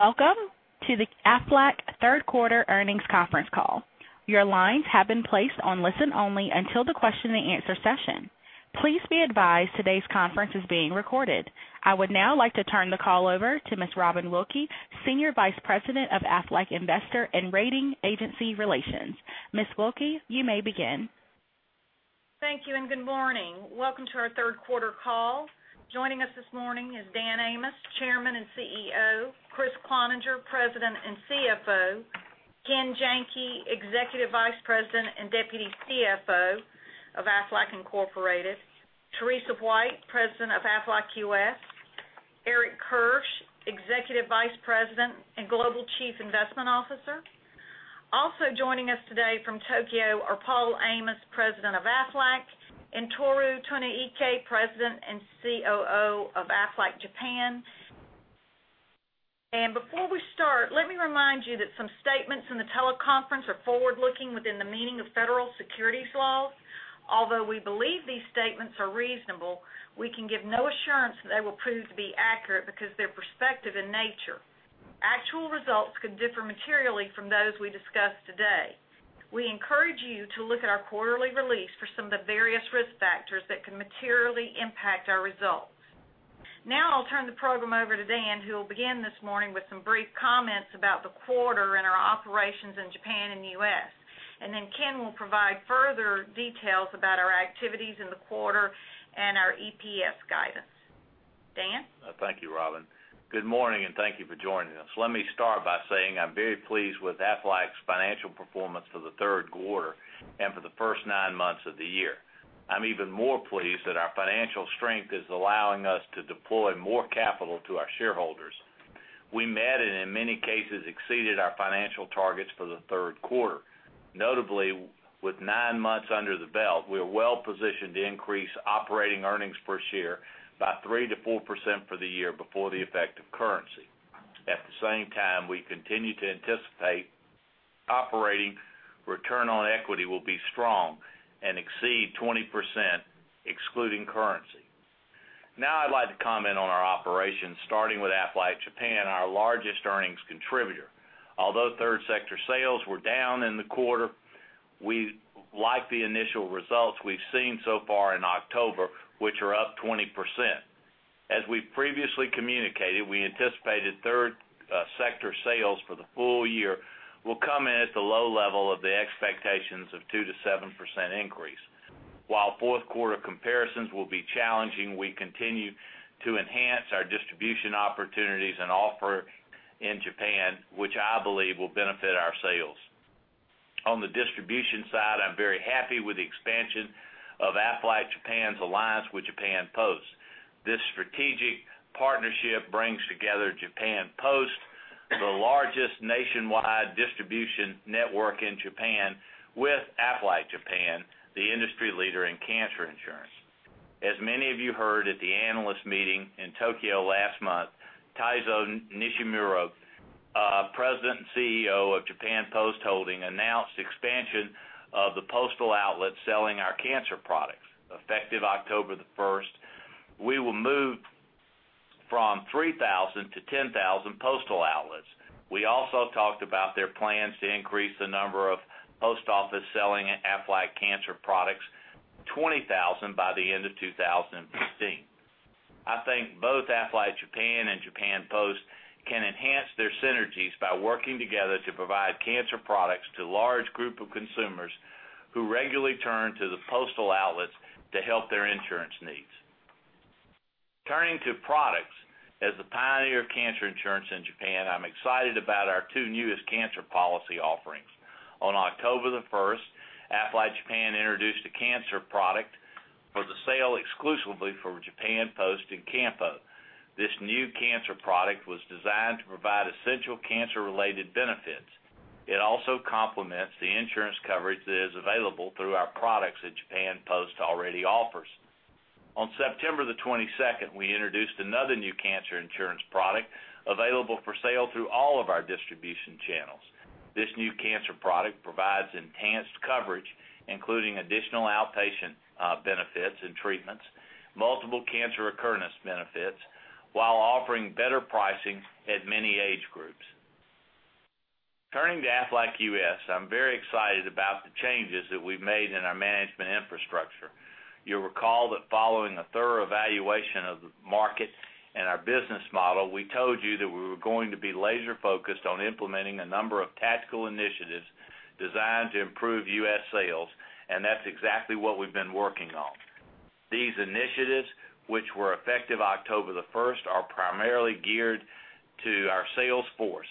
Welcome to the Aflac third quarter earnings conference call. Your lines have been placed on listen-only until the question and answer session. Please be advised today's conference is being recorded. I would now like to turn the call over to Ms. Robin Wilkey, Senior Vice President of Aflac Investor and Rating Agency Relations. Ms. Wilkey, you may begin. Thank you. Good morning. Welcome to our third quarter call. Joining us this morning is Dan Amos, Chairman and CEO, Kriss Cloninger, President and CFO, Ken Janke, Executive Vice President and Deputy CFO of Aflac Incorporated, Teresa, President of Aflac U.S., Eric Kirsch, Executive Vice President and Global Chief Investment Officer. Also joining us today from Tokyo are Paul Amos, President of Aflac, and Tohru Tonoike, President and COO of Aflac Japan. Before we start, let me remind you that some statements in the teleconference are forward-looking within the meaning of federal securities laws. Although we believe these statements are reasonable, we can give no assurance that they will prove to be accurate because they're prospective in nature. Actual results could differ materially from those we discuss today. We encourage you to look at our quarterly release for some of the various risk factors that can materially impact our results. Now I'll turn the program over to Dan, who will begin this morning with some brief comments about the quarter and our operations in Japan and U.S. Then Ken will provide further details about our activities in the quarter and our EPS guidance. Dan? Thank you, Robin. Good morning. Thank you for joining us. Let me start by saying I'm very pleased with Aflac's financial performance for the third quarter and for the first nine months of the year. I'm even more pleased that our financial strength is allowing us to deploy more capital to our shareholders. We met and in many cases exceeded our financial targets for the third quarter. Notably, with nine months under the belt, we are well-positioned to increase operating earnings per share by 3%-4% for the year before the effect of currency. At the same time, we continue to anticipate operating return on equity will be strong and exceed 20%, excluding currency. Now I'd like to comment on our operations, starting with Aflac Japan, our largest earnings contributor. Although third sector sales were down in the quarter, we like the initial results we've seen so far in October, which are up 20%. As we previously communicated, we anticipated third sector sales for the full year will come in at the low level of the expectations of 2%-7% increase. While fourth quarter comparisons will be challenging, we continue to enhance our distribution opportunities and offer in Japan, which I believe will benefit our sales. On the distribution side, I'm very happy with the expansion of Aflac Japan's alliance with Japan Post. This strategic partnership brings together Japan Post, the largest nationwide distribution network in Japan, with Aflac Japan, the industry leader in cancer insurance. As many of you heard at the analyst meeting in Tokyo last month, Taizo Nishimuro, President and CEO of Japan Post Holdings, announced expansion of the postal outlets selling our cancer products, effective October the first. We will move from 3,000 to 10,000 postal outlets. We also talked about their plans to increase the number of post offices selling Aflac cancer products, 20,000 by the end of 2016. I think both Aflac Japan and Japan Post can enhance their synergies by working together to provide cancer products to a large group of consumers who regularly turn to the postal outlets to help their insurance needs. Turning to products, as the pioneer of cancer insurance in Japan, I'm excited about our two newest cancer policy offerings. On October the first, Aflac Japan introduced a cancer product for the sale exclusively for Japan Post and Kampo. This new cancer product was designed to provide essential cancer-related benefits. It also complements the insurance coverage that is available through our products that Japan Post already offers. On September the 22nd, we introduced another new cancer insurance product available for sale through all of our distribution channels. This new cancer product provides enhanced coverage, including additional outpatient benefits and treatments, multiple cancer recurrence benefits, while offering better pricing at many age groups. Turning to Aflac U.S., I'm very excited about the changes that we've made in our management infrastructure. You'll recall that following a thorough evaluation of the market and our business model, we told you that we were going to be laser-focused on implementing a number of tactical initiatives designed to improve U.S. sales, and that's exactly what we've been working on. These initiatives, which were effective October the first, are primarily geared to our sales force.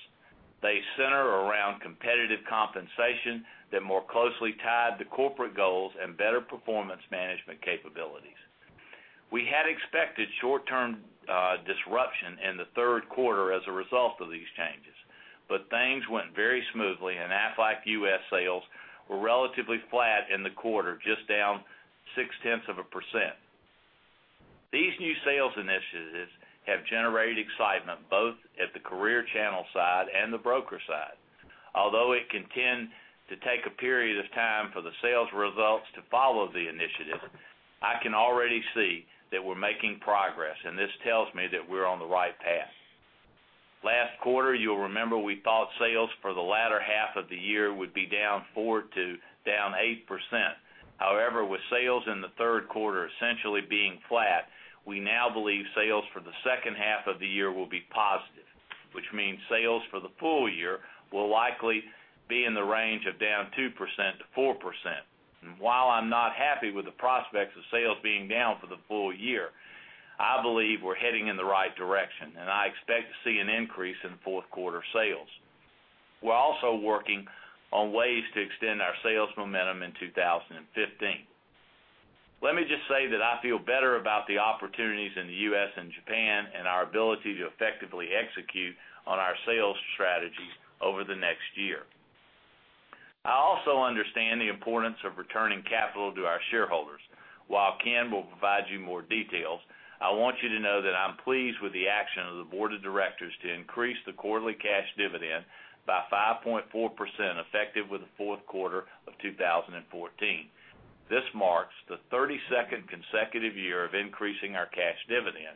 They center around competitive compensation that more closely tied to corporate goals and better performance management capabilities. We had expected short-term disruption in the third quarter as a result of these changes, but things went very smoothly, and Aflac U.S. sales were relatively flat in the quarter, just down six tenths of a percent. These new sales initiatives have generated excitement both at the career channel side and the broker side. Although it can tend to take a period of time for the sales results to follow the initiative, I can already see that we're making progress, and this tells me that we're on the right path. Last quarter, you'll remember we thought sales for the latter half of the year would be down 4% to down 8%. With sales in the third quarter essentially being flat, we now believe sales for the second half of the year will be positive, which means sales for the full year will likely be in the range of down 2%-4%. While I'm not happy with the prospects of sales being down for the full year, I believe we're heading in the right direction, and I expect to see an increase in fourth quarter sales. We're also working on ways to extend our sales momentum in 2015. Let me just say that I feel better about the opportunities in the U.S. and Japan and our ability to effectively execute on our sales strategies over the next year. I also understand the importance of returning capital to our shareholders. While Ken will provide you more details, I want you to know that I'm pleased with the action of the board of directors to increase the quarterly cash dividend by 5.4%, effective with the fourth quarter of 2014. This marks the 32nd consecutive year of increasing our cash dividend.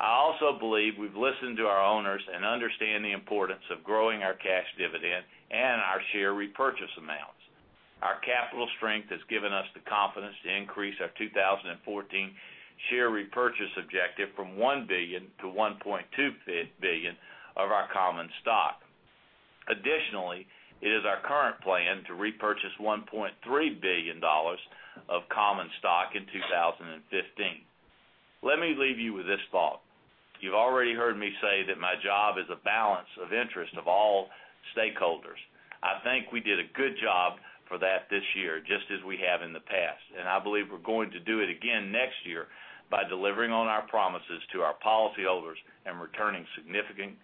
I also believe we've listened to our owners and understand the importance of growing our cash dividend and our share repurchase amounts. Our capital strength has given us the confidence to increase our 2014 share repurchase objective from $1 billion to $1.25 billion of our common stock. Additionally, it is our current plan to repurchase $1.3 billion of common stock in 2015. Let me leave you with this thought. You've already heard me say that my job is a balance of interest of all stakeholders. I think we did a good job for that this year, just as we have in the past, and I believe we're going to do it again next year by delivering on our promises to our policyholders and returning significant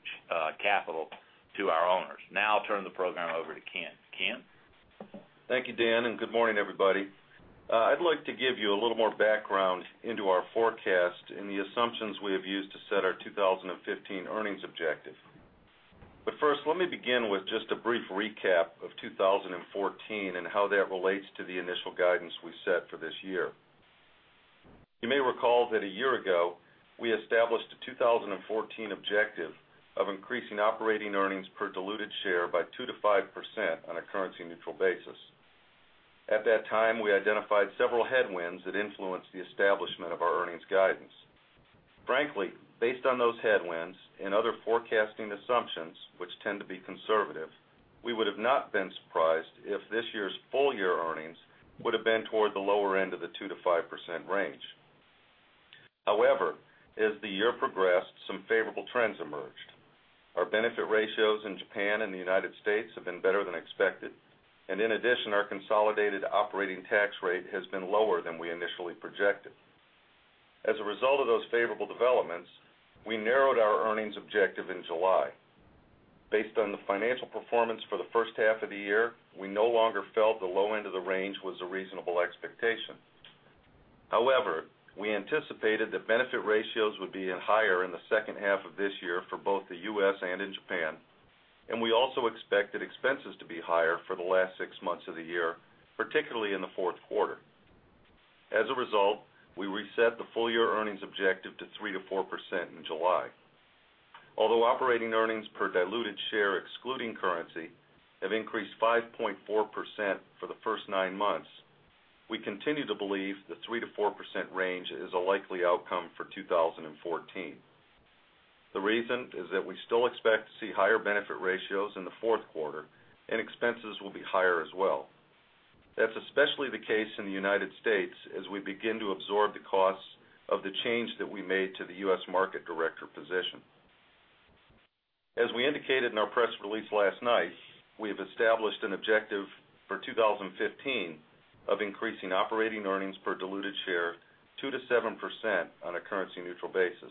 capital to our owners. I'll turn the program over to Ken. Ken? Thank you, Dan, and good morning, everybody. I'd like to give you a little more background into our forecast and the assumptions we have used to set our 2015 earnings objective. First, let me begin with just a brief recap of 2014 and how that relates to the initial guidance we set for this year. You may recall that a year ago, we established a 2014 objective of increasing operating earnings per diluted share by 2%-5% on a currency-neutral basis. At that time, we identified several headwinds that influenced the establishment of our earnings guidance. Frankly, based on those headwinds and other forecasting assumptions, which tend to be conservative, we would have not been surprised if this year's full year earnings would've been toward the lower end of the 2%-5% range. As the year progressed, some favorable trends emerged. Our benefit ratios in Japan and the U.S. have been better than expected. In addition, our consolidated operating tax rate has been lower than we initially projected. As a result of those favorable developments, we narrowed our earnings objective in July. Based on the financial performance for the first half of the year, we no longer felt the low end of the range was a reasonable expectation. However, we anticipated that benefit ratios would be higher in the second half of this year for both the U.S. and in Japan, we also expected expenses to be higher for the last six months of the year, particularly in the fourth quarter. As a result, we reset the full year earnings objective to 3%-4% in July. Although operating earnings per diluted share excluding currency have increased 5.4% for the first nine months, we continue to believe the 3%-4% range is a likely outcome for 2014. The reason is that we still expect to see higher benefit ratios in the fourth quarter and expenses will be higher as well. That's especially the case in the U.S. as we begin to absorb the costs of the change that we made to the U.S. Market Director position. As we indicated in our press release last night, we have established an objective for 2015 of increasing operating earnings per diluted share 2%-7% on a currency neutral basis.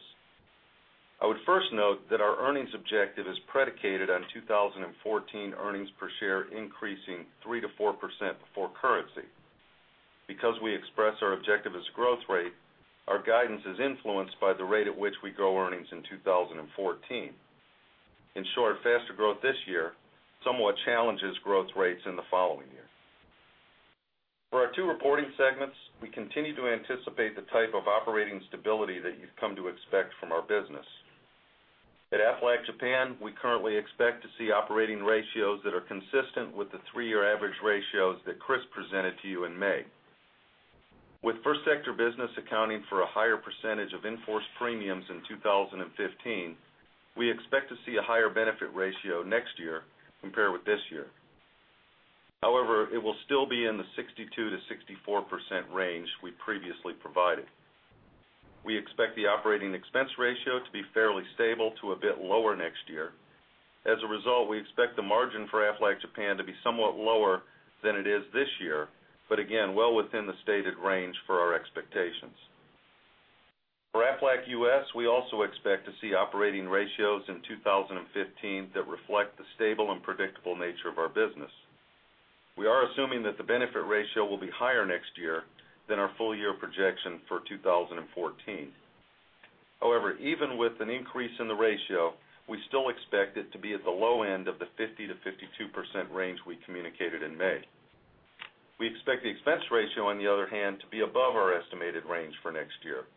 I would first note that our earnings objective is predicated on 2014 earnings per share increasing 3%-4% before currency. Because we express our objective as growth rate, our guidance is influenced by the rate at which we grow earnings in 2014. In short, faster growth this year somewhat challenges growth rates in the following year. For our two reporting segments, we continue to anticipate the type of operating stability that you've come to expect from our business. At Aflac Japan, we currently expect to see operating ratios that are consistent with the three-year average ratios that Kriss presented to you in May. With first sector business accounting for a higher percentage of in-force premiums in 2015, we expect to see a higher benefit ratio next year compared with this year. It will still be in the 62%-64% range we previously provided. We expect the operating expense ratio to be fairly stable to a bit lower next year. As a result, we expect the margin for Aflac Japan to be somewhat lower than it is this year, but again, well within the stated range for our expectations. For Aflac U.S., we also expect to see operating ratios in 2015 that reflect the stable and predictable nature of our business. We are assuming that the benefit ratio will be higher next year than our full year projection for 2014. However, even with an increase in the ratio, we still expect it to be at the low end of the 50%-52% range we communicated in May. We expect the expense ratio, on the other hand, to be above our estimated range for next year.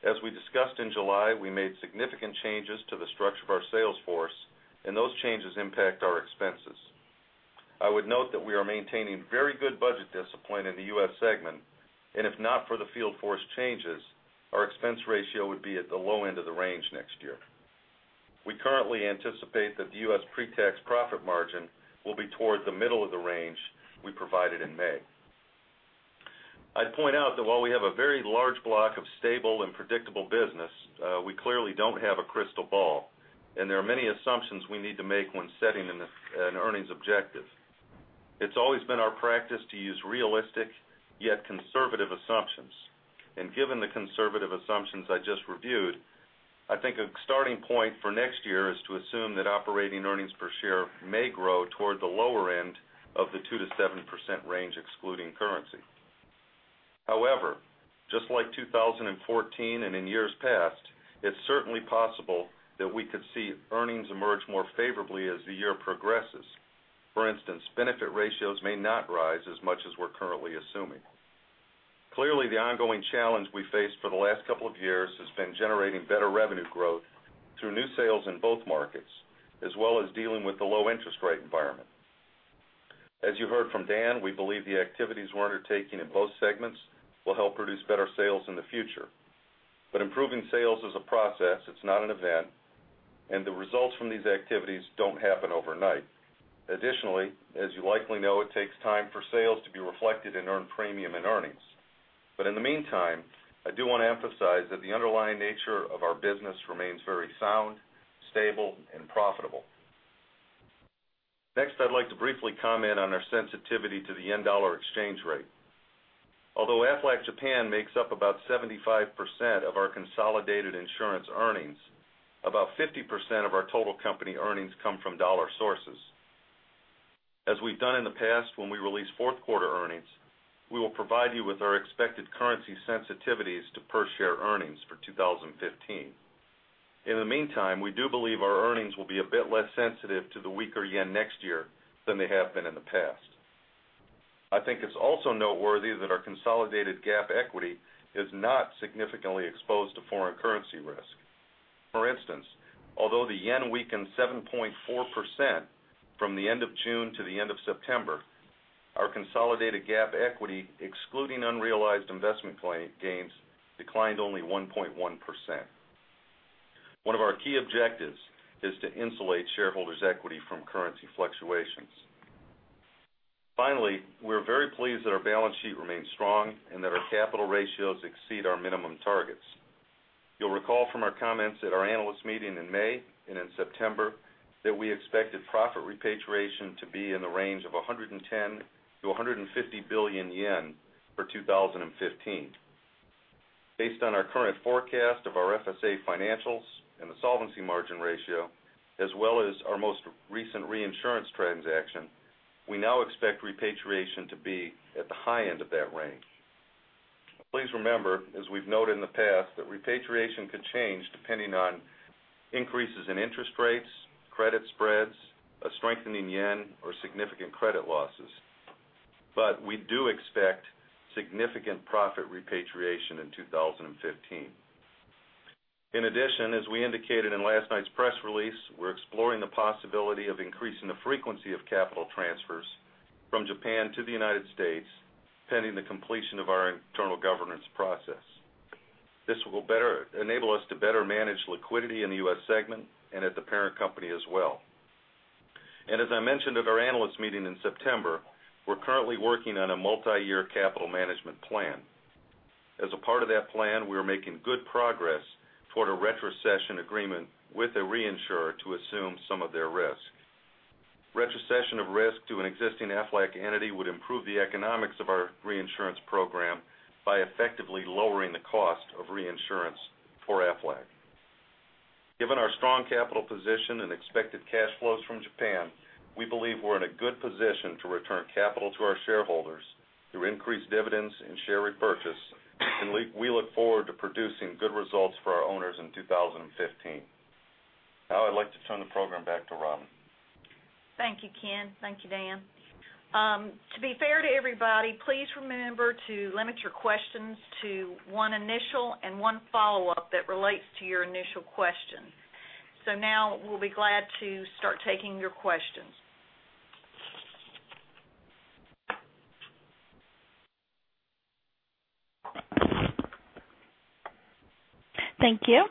As we discussed in July, we made significant changes to the structure of our sales force, those changes impact our expenses. I would note that we are maintaining very good budget discipline in the U.S. segment, and if not for the field force changes, our expense ratio would be at the low end of the range next year. We currently anticipate that the U.S. pre-tax profit margin will be towards the middle of the range we provided in May. I'd point out that while we have a very large block of stable and predictable business, we clearly don't have a crystal ball, and there are many assumptions we need to make when setting an earnings objective. It's always been our practice to use realistic, yet conservative assumptions. Given the conservative assumptions I just reviewed, I think a starting point for next year is to assume that operating earnings per share may grow toward the lower end of the 2%-7% range, excluding currency. Just like 2014 and in years past, it's certainly possible that we could see earnings emerge more favorably as the year progresses. For instance, benefit ratios may not rise as much as we're currently assuming. Clearly, the ongoing challenge we faced for the last couple of years has been generating better revenue growth through new sales in both markets, as well as dealing with the low interest rate environment. As you heard from Dan, we believe the activities we're undertaking in both segments will help produce better sales in the future. Improving sales is a process, it's not an event, and the results from these activities don't happen overnight. Additionally, as you likely know, it takes time for sales to be reflected in earned premium and earnings. In the meantime, I do want to emphasize that the underlying nature of our business remains very sound, stable, and profitable. Next, I'd like to briefly comment on our sensitivity to the yen-dollar exchange rate. Although Aflac Japan makes up about 75% of our consolidated insurance earnings, about 50% of our total company earnings come from U.S. dollar sources. As we've done in the past when we release fourth quarter earnings, we will provide you with our expected currency sensitivities to per share earnings for 2015. In the meantime, we do believe our earnings will be a bit less sensitive to the weaker JPY next year than they have been in the past. I think it's also noteworthy that our consolidated GAAP equity is not significantly exposed to foreign currency risk. For instance, although the JPY weakened 7.4% from the end of June to the end of September, our consolidated GAAP equity, excluding unrealized investment gains, declined only 1.1%. One of our key objectives is to insulate shareholders' equity from currency fluctuations. Finally, we're very pleased that our balance sheet remains strong and that our capital ratios exceed our minimum targets. You'll recall from our comments at our analyst meeting in May and in September that we expected profit repatriation to be in the range of 110 billion-150 billion yen for 2015. Based on our current forecast of our FSA financials and the solvency margin ratio, as well as our most recent reinsurance transaction, we now expect repatriation to be at the high end of that range. Please remember, as we've noted in the past, that repatriation could change depending on increases in interest rates, credit spreads, a strengthening yen, or significant credit losses. We do expect significant profit repatriation in 2015. In addition, as we indicated in last night's press release, we're exploring the possibility of increasing the frequency of capital transfers from Japan to the U.S., pending the completion of our internal governance process. This will enable us to better manage liquidity in the U.S. segment and at the parent company as well. As I mentioned at our analyst meeting in September, we're currently working on a multi-year capital management plan. As a part of that plan, we are making good progress toward a retrocession agreement with a reinsurer to assume some of their risk. Retrocession of risk to an existing Aflac entity would improve the economics of our reinsurance program by effectively lowering the cost of reinsurance for Aflac. Given our strong capital position and expected cash flows from Japan, we believe we're in a good position to return capital to our shareholders through increased dividends and share repurchase, and we look forward to producing good results for our owners in 2015. Now I'd like to turn the program back to Robin. Thank you, Ken. Thank you, Dan. To be fair to everybody, please remember to limit your questions to one initial and one follow-up that relates to your initial questions. Now we'll be glad to start taking your questions. Thank you.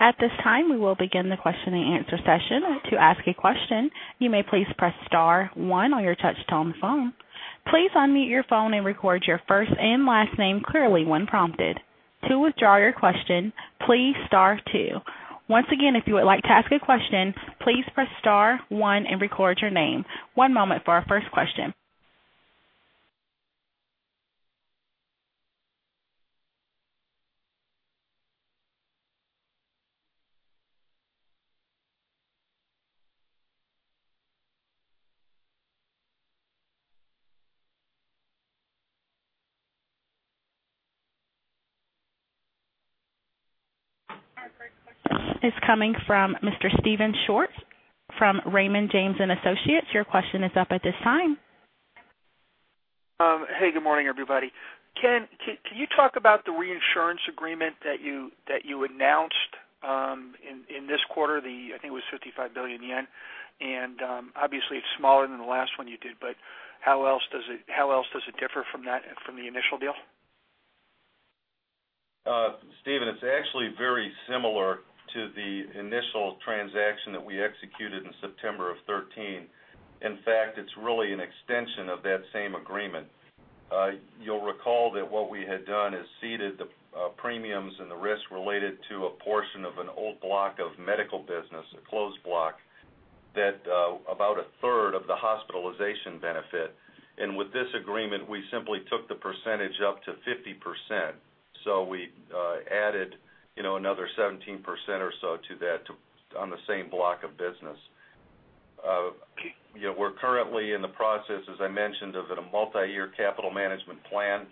At this time, we will begin the question and answer session. To ask a question, you may please press star one on your touchtone phone. Please unmute your phone and record your first and last name clearly when prompted. To withdraw your question, please star two. Once again, if you would like to ask a question, please press star one and record your name. One moment for our first question. Our first question is coming from Mr. Steven Schwartz from Raymond James & Associates. Your question is up at this time. Hey, good morning, everybody. Ken, can you talk about the reinsurance agreement that you announced in this quarter, I think it was 55 billion yen. Obviously it's smaller than the last one you did, how else does it differ from the initial deal? Steven, it's actually very similar to the initial transaction that we executed in September of 2013. In fact, it's really an extension of that same agreement. You'll recall that what we had done is seeded the premiums and the risk related to a portion of an old block of medical business, a closed block, about a third of the hospitalization benefit. With this agreement, we simply took the percentage up to 50%. We added another 17% or so to that on the same block of business. We're currently in the process, as I mentioned, of a multi-year capital management plan.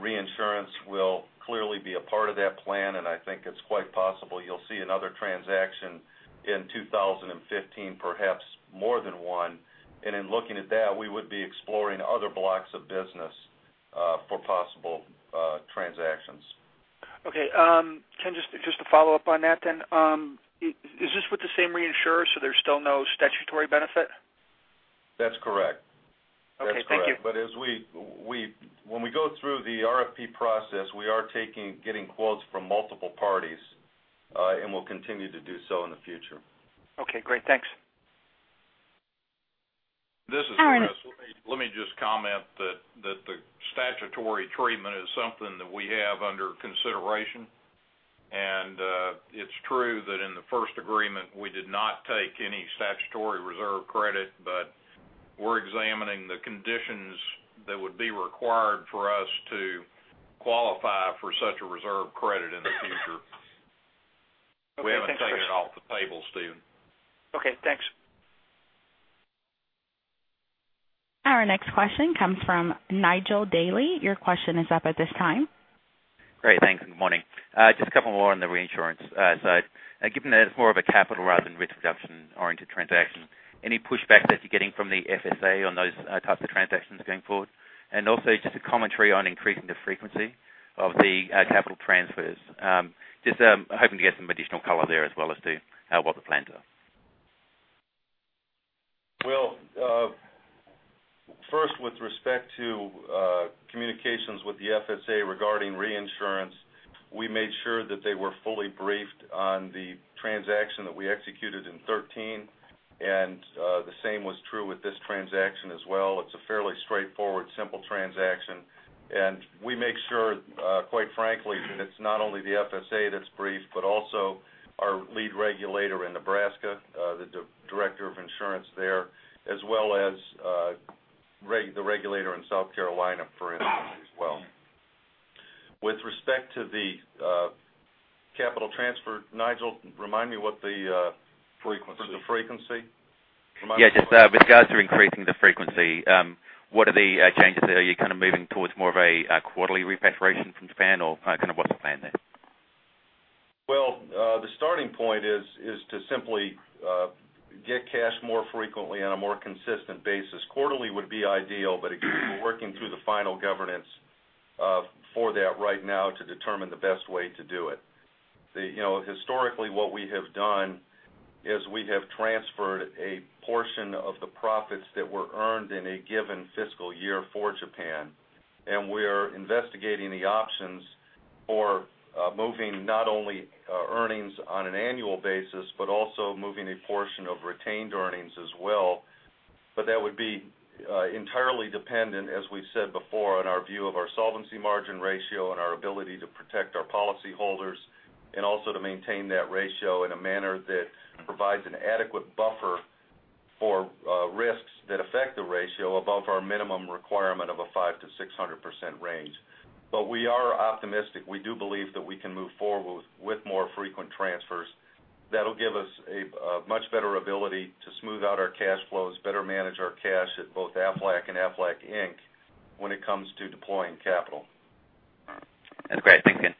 Reinsurance will clearly be a part of that plan, I think it's quite possible you'll see another transaction in 2015, perhaps more than one. In looking at that, we would be exploring other blocks of business for possible transactions. Okay. Ken, just to follow up on that then. Is this with the same reinsurer, there's still no statutory benefit? That's correct. Okay, thank you. When we go through the RFP process, we are getting quotes from multiple parties, and we'll continue to do so in the future. Okay, great. Thanks. Our next. This is Kriss. Let me just comment that the statutory treatment is something that we have under consideration. It's true that in the first agreement, we did not take any statutory reserve credit, but we're examining the conditions that would be required for us to qualify for such a reserve credit in the future. Okay, thanks, Kriss. We haven't taken it off the table, Steven. Okay, thanks. Our next question comes from Nigel Dally. Your question is up at this time. Great. Thanks, good morning. Just a couple more on the reinsurance side. Given that it's more of a capital rather than risk reduction oriented transaction, any pushbacks that you're getting from the FSA on those types of transactions going forward? Also, just a commentary on increasing the frequency of the capital transfers. Just hoping to get some additional color there as well as to what the plans are. First with respect to communications with the FSA regarding reinsurance, we made sure that they were fully briefed on the transaction that we executed in 2013, the same was true with this transaction as well. It's a fairly straightforward, simple transaction, we make sure, quite frankly, that it's not only the FSA that's briefed, but also our lead regulator in Nebraska, the Director of Insurance there, as well as the regulator in South Carolina, for instance, as well. With respect to the capital transfer, Nigel, remind me what the- Frequency. The frequency. Remind me. Yeah, just with regards to increasing the frequency, what are the changes there? Are you kind of moving towards more of a quarterly repatriation from Japan, or kind of what's the plan there? Well, the starting point is to simply get cash more frequently on a more consistent basis. Quarterly would be ideal, again, we're working through the final governance for that right now to determine the best way to do it. Historically what we have done is we have transferred a portion of the profits that were earned in a given fiscal year for Japan, we're investigating the options for moving not only earnings on an annual basis, also moving a portion of retained earnings as well. That would be entirely dependent, as we've said before, on our view of our solvency margin ratio and our ability to protect our policy holders and also to maintain that ratio in a manner that provides an adequate buffer for risks that affect the ratio above our minimum requirement of a 500%-600% range. We are optimistic. We do believe that we can move forward with more frequent transfers. That'll give us a much better ability to smooth out our cash flows, better manage our cash at both Aflac and Aflac Inc. when it comes to deploying capital. That's great. Thank you.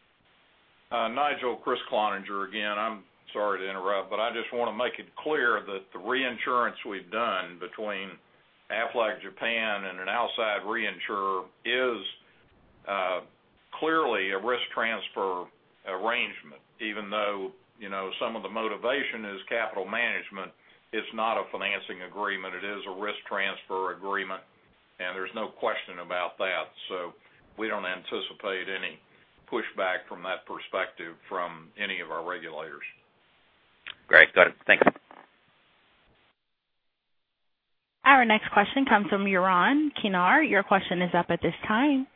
Nigel, Kriss Cloninger again. I'm sorry to interrupt. I just want to make it clear that the reinsurance we've done between Aflac Japan and an outside reinsurer is clearly a risk transfer arrangement. Even though some of the motivation is capital management, it's not a financing agreement. It is a risk transfer agreement, there's no question about that. We don't anticipate any pushback from that perspective from any of our regulators. Great. Got it. Thank you. Our next question comes from Yaron Kinar. Your question is up at this time.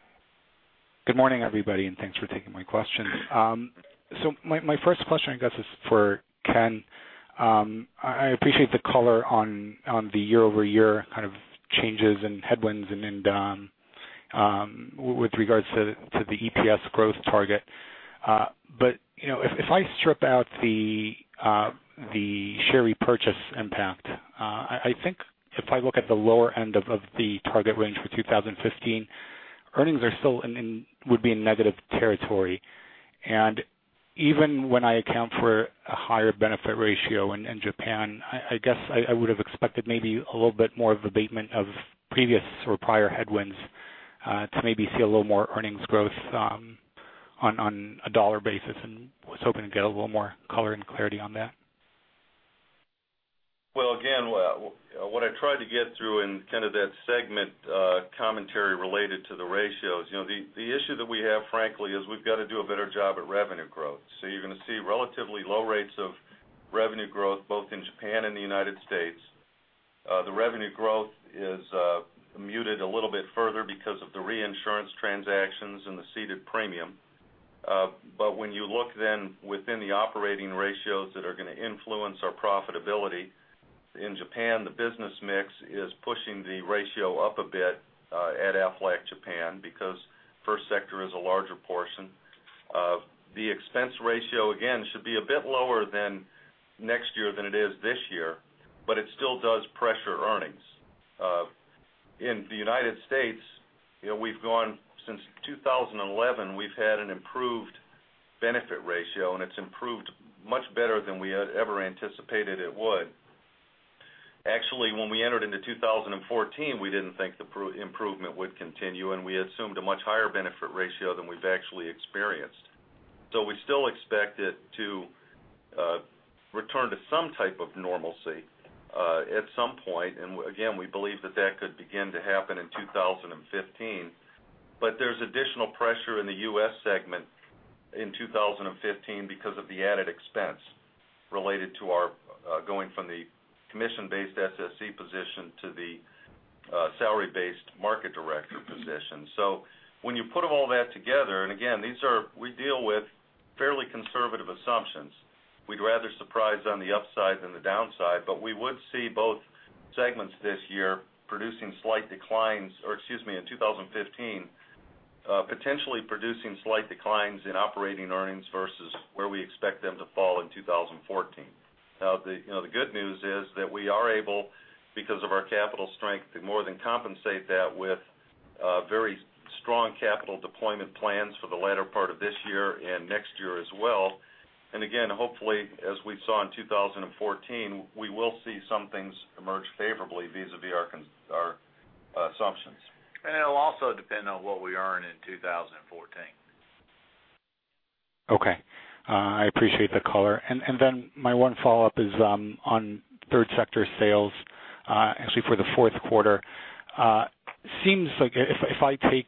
Good morning, everybody. Thanks for taking my question. My first question, I guess, is for Ken. I appreciate the color on the year-over-year kind of changes and headwinds and then with regards to the EPS growth target. If I strip out the share repurchase impact, I think if I look at the lower end of the target range for 2015, earnings would still be in negative territory. Even when I account for a higher benefit ratio in Japan, I guess I would have expected maybe a little bit more of abatement of previous or prior headwinds to maybe see a little more earnings growth on a dollar basis, and was hoping to get a little more color and clarity on that. Again, what I tried to get through in that segment commentary related to the ratios, the issue that we have, frankly, is we've got to do a better job at revenue growth. You're going to see relatively low rates of revenue growth, both in Japan and the U.S. The revenue growth is muted a little bit further because of the reinsurance transactions and the ceded premium. When you look within the operating ratios that are going to influence our profitability in Japan, the business mix is pushing the ratio up a bit at Aflac Japan, because first sector is a larger portion. The expense ratio, again, should be a bit lower next year than it is this year, but it still does pressure earnings. In the U.S., since 2011, we've had an improved benefit ratio, and it's improved much better than we had ever anticipated it would. Actually, when we entered into 2014, we didn't think the improvement would continue, and we assumed a much higher benefit ratio than we've actually experienced. We still expect it to return to some type of normalcy at some point. Again, we believe that that could begin to happen in 2015. There's additional pressure in the U.S. segment in 2015 because of the added expense related to our going from the commission-based SSE position to the salary-based market director position. When you put all that together, again, we deal with fairly conservative assumptions. We'd rather surprise on the upside than the downside, we would see both segments this year potentially producing slight declines in operating earnings versus where we expect them to fall in 2014. The good news is that we are able, because of our capital strength, to more than compensate that with very strong capital deployment plans for the latter part of this year and next year as well. Again, hopefully, as we saw in 2014, we will see some things emerge favorably vis-à-vis our assumptions. It'll also depend on what we earn in 2014. Okay. I appreciate the color. My one follow-up is on third sector sales, actually for the fourth quarter. Seems like if I take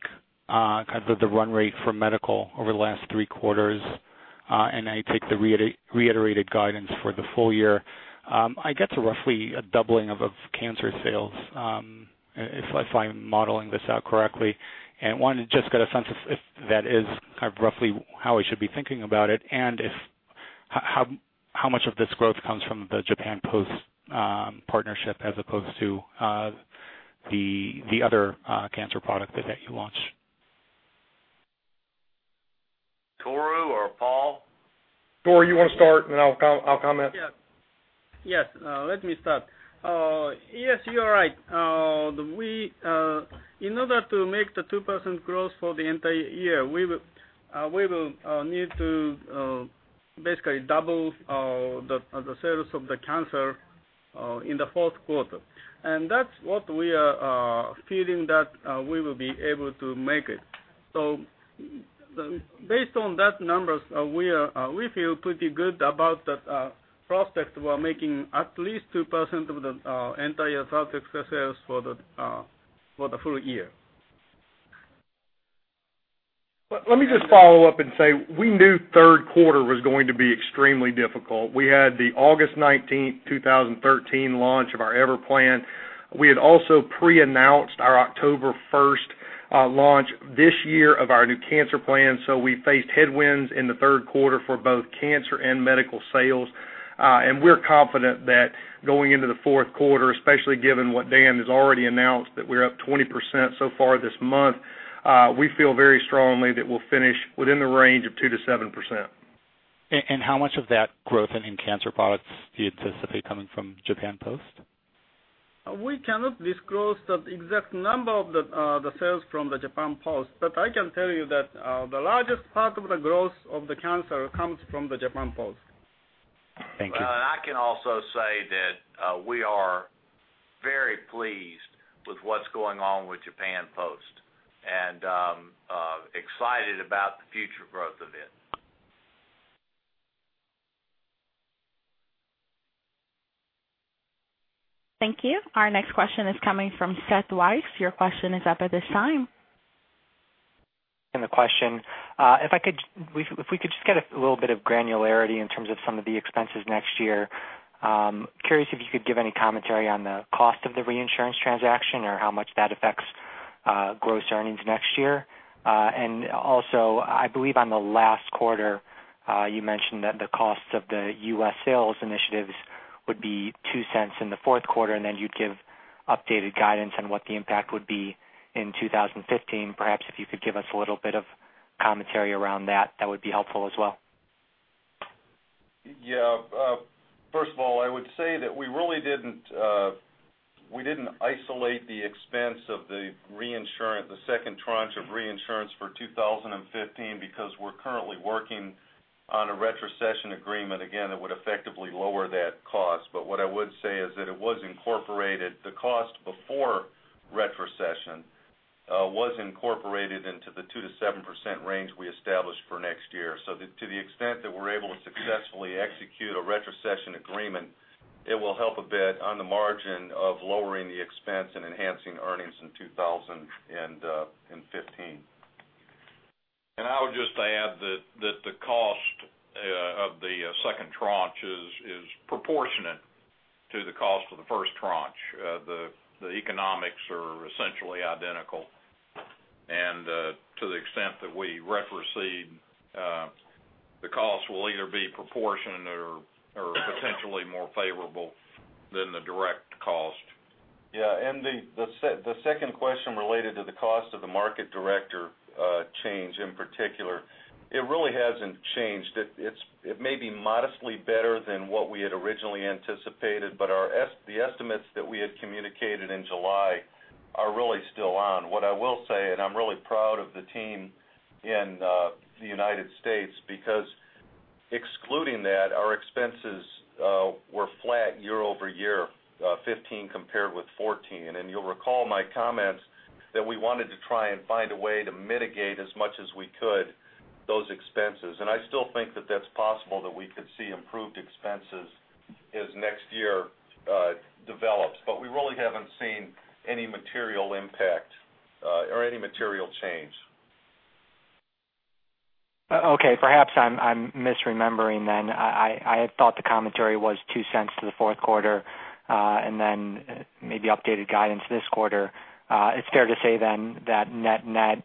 kind of the run rate for medical over the last three quarters, and I take the reiterated guidance for the full year, I get to roughly a doubling of cancer sales, if I'm modeling this out correctly. I wanted to just get a sense if that is kind of roughly how I should be thinking about it, and how much of this growth comes from the Japan Post partnership as opposed to the other cancer product that you launched. Tohru or Paul? Tohru, you want to start, and then I'll comment? Yes. Let me start. Yes, you are right. In order to make the 2% growth for the entire year, we will need to basically double the sales of the cancer in the fourth quarter. That's what we are feeling, that we will be able to make it. Based on that numbers, we feel pretty good about the prospect. We're making at least 2% of the entire third sector sales for the full year. Let me just follow up and say, we knew third quarter was going to be extremely difficult. We had the August 19, 2013, launch of our EVER plan. We had also pre-announced our October 1st launch this year of our new cancer plan. We faced headwinds in the third quarter for both cancer and medical sales. We're confident that going into the fourth quarter, especially given what Dan has already announced, that we're up 20% so far this month, we feel very strongly that we'll finish within the range of 2%-7%. How much of that growth in cancer products do you anticipate coming from Japan Post? We cannot disclose the exact number of the sales from the Japan Post, but I can tell you that the largest part of the growth of the cancer comes from the Japan Post. Thank you. I can also say that we are very pleased with what's going on with Japan Post and excited about the future growth of it. Thank you. Our next question is coming from Seth Weiss. Your question is up at this time. The question. If we could just get a little bit of granularity in terms of some of the expenses next year. Curious if you could give any commentary on the cost of the reinsurance transaction or how much that affects gross earnings next year. Also, I believe on the last quarter you mentioned that the costs of the U.S. sales initiatives would be $0.02 in the fourth quarter, then you'd give updated guidance on what the impact would be in 2015. Perhaps if you could give us a little bit of commentary around that would be helpful as well. First of all, I would say that we really didn't isolate the expense of the second tranche of reinsurance for 2015, because we're currently working on a retrocession agreement, again, that would effectively lower that cost. What I would say is that it was incorporated, the cost before retrocession, was incorporated into the 2%-7% range we established for next year. To the extent that we're able to successfully execute a retrocession agreement, it will help a bit on the margin of lowering the expense and enhancing earnings in 2015. I would just add that the cost of the second tranche is proportionate to the cost of the first tranche. The economics are essentially identical. To the extent that we retrocede, the cost will either be proportionate or potentially more favorable than the direct cost. Yeah. The second question related to the cost of the market director change, in particular. It really hasn't changed. It may be modestly better than what we had originally anticipated, but the estimates that we had communicated in July are really still on. What I will say, I'm really proud of the team in the U.S., because excluding that, our expenses were flat year-over-year, 2015 compared with 2014. You'll recall my comments that we wanted to try and find a way to mitigate as much as we could those expenses. I still think that that's possible that we could see improved expenses as next year develops. We really haven't seen any material impact or any material change. Okay, perhaps I'm misremembering then. I had thought the commentary was $0.02 to the fourth quarter, then maybe updated guidance this quarter. It's fair to say then that net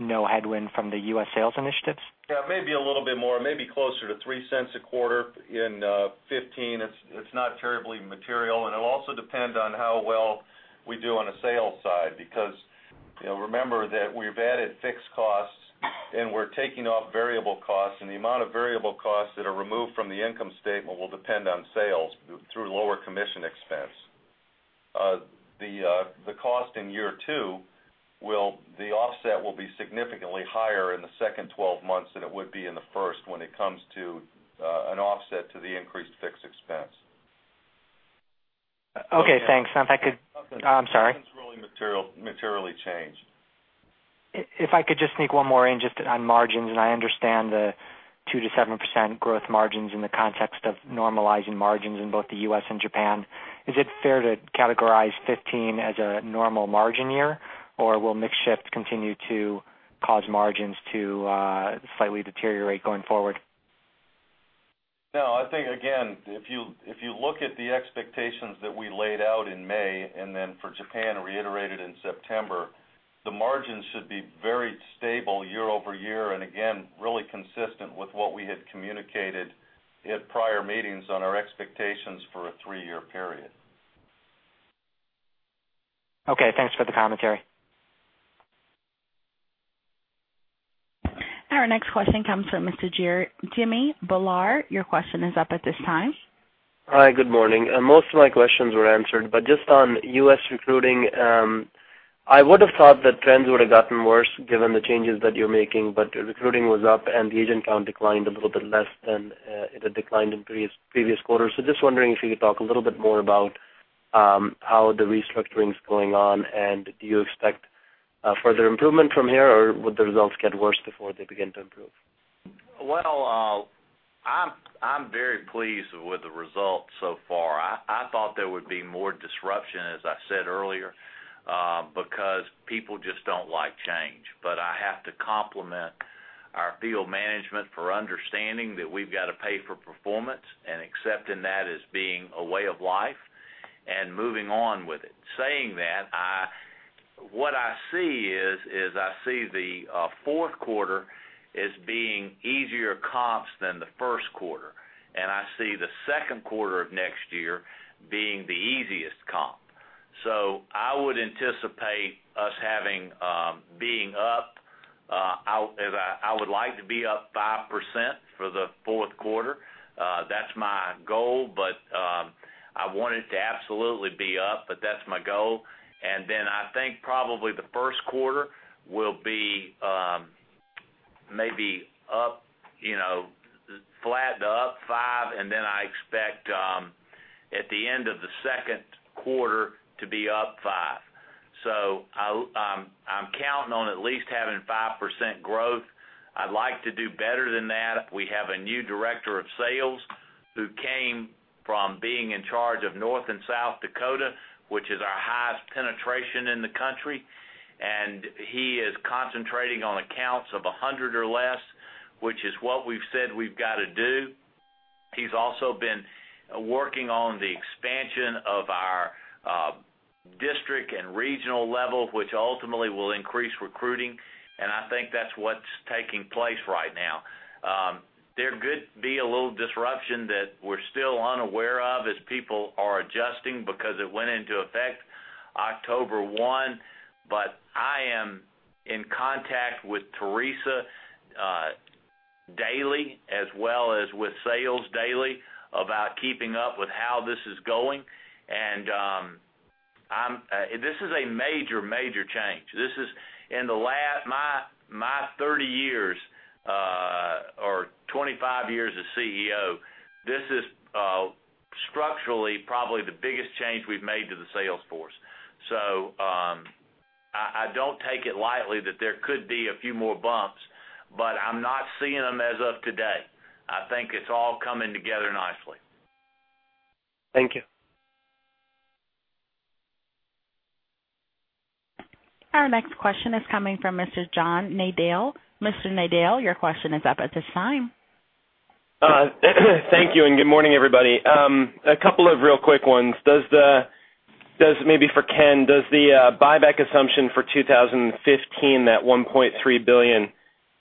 no headwind from the U.S. sales initiatives? Yeah, maybe a little bit more, maybe closer to $0.03 a quarter in 2015. It's not terribly material. It'll also depend on how well we do on the sales side, because remember that we've added fixed costs and we're taking off variable costs, and the amount of variable costs that are removed from the income statement will depend on sales through lower commission expense. The cost in year two, the offset will be significantly higher in the second 12 months than it would be in the first when it comes to an offset to the increased fixed expense. Okay, thanks. I'm sorry. Nothing's really materially changed. If I could just sneak one more in just on margins, and I understand the 2%-7% growth margins in the context of normalizing margins in both the U.S. and Japan. Is it fair to categorize 2015 as a normal margin year, or will mix shift continue to cause margins to slightly deteriorate going forward? No, I think, again, if you look at the expectations that we laid out in May and then for Japan, reiterated in September, the margins should be very stable year-over-year. Again, really consistent with what we had communicated at prior meetings on our expectations for a three-year period. Okay, thanks for the commentary. Our next question comes from Mr. Jimmy Bhullar. Your question is up at this time. Hi, good morning. Most of my questions were answered, but just on U.S. recruiting, I would've thought that trends would've gotten worse given the changes that you're making, but recruiting was up, and the agent count declined a little bit less than it had declined in previous quarters. Just wondering if you could talk a little bit more about how the restructuring's going on, and do you expect further improvement from here, or would the results get worse before they begin to improve? Well, I'm very pleased with the results so far. I thought there would be more disruption, as I said earlier, because people just don't like change. I have to compliment our field management for understanding that we've got to pay for performance, and accepting that as being a way of life, and moving on with it. Saying that, what I see is I see the fourth quarter as being easier comps than the first quarter. I see the second quarter of next year being the easiest comp. I would anticipate us being up. I would like to be up 5% for the fourth quarter. That's my goal, but I want it to absolutely be up, but that's my goal. I think probably the first quarter will be maybe flat to up 5%, I expect at the end of the second quarter to be up 5%. I'm counting on at least having 5% growth. I'd like to do better than that. We have a new director of sales who came from being in charge of North and South Dakota, which is our highest penetration in the country, and he is concentrating on accounts of 100 or less, which is what we've said we've got to do. He's also been working on the expansion of our District and regional level, which ultimately will increase recruiting, I think that's what's taking place right now. There could be a little disruption that we're still unaware of as people are adjusting because it went into effect October 1. I am in contact with Teresa daily, as well as with sales daily, about keeping up with how this is going. This is a major change. In my 30 years, or 25 years as CEO, this is structurally probably the biggest change we've made to the sales force. I don't take it lightly that there could be a few more bumps, but I'm not seeing them as of today. I think it's all coming together nicely. Thank you. Our next question is coming from Mr. John Nadel. Mr. Nadel, your question is up at this time. Thank you, good morning, everybody. A couple of real quick ones. Maybe for Ken, does the buyback assumption for 2015, that $1.3 billion,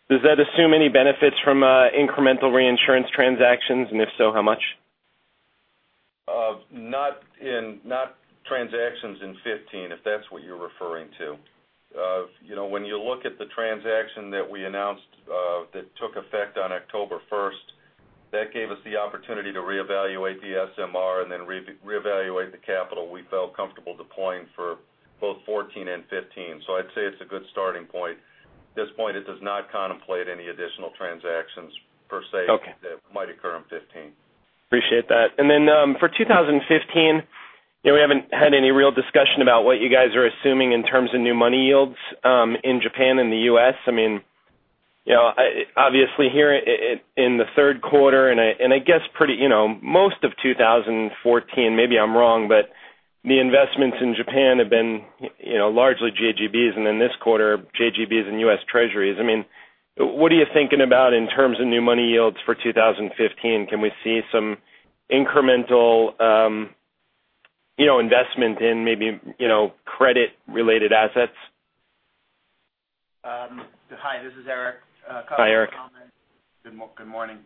does that assume any benefits from incremental reinsurance transactions? If so, how much? Not transactions in 2015, if that's what you're referring to. When you look at the transaction that we announced that took effect on October 1st, that gave us the opportunity to reevaluate the SMR and then reevaluate the capital we felt comfortable deploying for both 2014 and 2015. I'd say it's a good starting point. At this point, it does not contemplate any additional transactions per se. Okay that might occur in 2015. Appreciate that. For 2015, we haven't had any real discussion about what you guys are assuming in terms of new money yields in Japan and the U.S. Obviously here in the third quarter, and I guess most of 2014, maybe I'm wrong, but the investments in Japan have been largely JGBs, and then this quarter, JGBs and U.S. Treasuries. What are you thinking about in terms of new money yields for 2015? Can we see some incremental investment in maybe credit-related assets? Hi, this is Eric. Hi, Eric. A couple of comments. Good morning.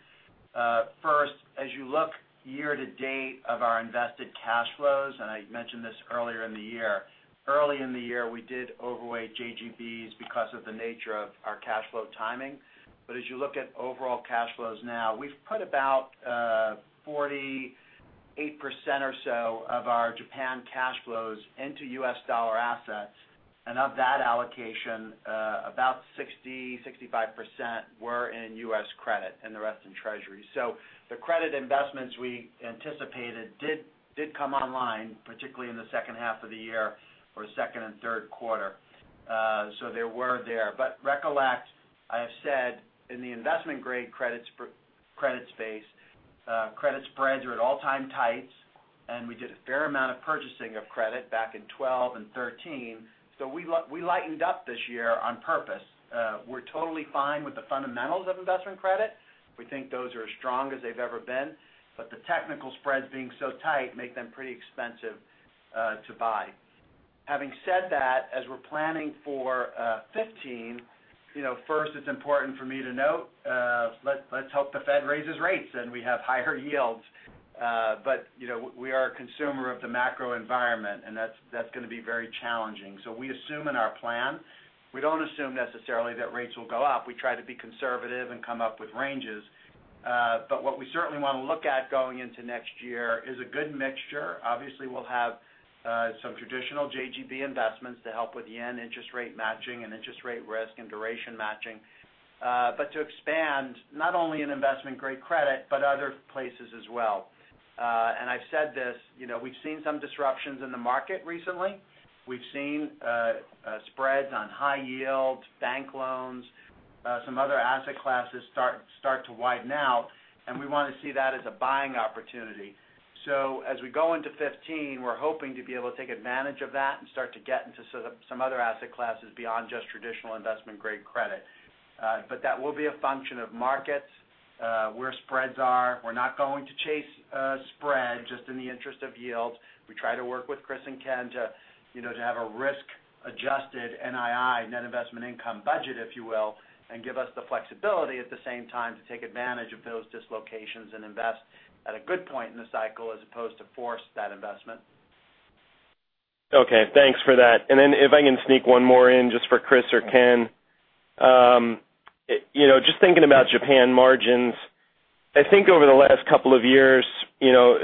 First, as you look year to date of our invested cash flows, I mentioned this earlier in the year, early in the year, we did overweight JGBs because of the nature of our cash flow timing. As you look at overall cash flows now, we've put about 48% or so of our Japan cash flows into U.S. dollar assets. Of that allocation, about 60%, 65% were in U.S. credit and the rest in Treasury. The credit investments we anticipated did come online, particularly in the second half of the year or second and third quarter. They were there. Recollect, I have said in the investment-grade credit space, credit spreads are at all-time tights, and we did a fair amount of purchasing of credit back in 2012 and 2013. We lightened up this year on purpose. We're totally fine with the fundamentals of investment credit. We think those are as strong as they've ever been, the technical spreads being so tight make them pretty expensive to buy. Having said that, as we're planning for 2015, first, it's important for me to note, let's hope the Fed raises rates and we have higher yields. We are a consumer of the macro environment, and that's going to be very challenging. We assume in our plan, we don't assume necessarily that rates will go up. We try to be conservative and come up with ranges. What we certainly want to look at going into next year is a good mixture. Obviously, we'll have some traditional JGB investments to help with yen interest rate matching and interest rate risk and duration matching. To expand not only in investment-grade credit, but other places as well. I've said this, we've seen some disruptions in the market recently. We've seen spreads on high yield bank loans, some other asset classes start to widen out, we want to see that as a buying opportunity. As we go into 2015, we're hoping to be able to take advantage of that and start to get into some other asset classes beyond just traditional investment-grade credit. That will be a function of markets, where spreads are. We're not going to chase spread just in the interest of yield. We try to work with Kriss and Ken to have a risk-adjusted NII, net investment income budget, if you will, and give us the flexibility at the same time to take advantage of those dislocations and invest at a good point in the cycle as opposed to force that investment. Okay, thanks for that. If I can sneak one more in, just for Kriss or Ken. Just thinking about Japan margins, I think over the last 2 years,